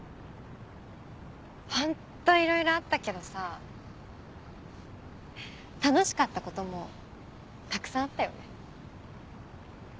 ホントいろいろあったけどさ楽しかったこともたくさんあったよね。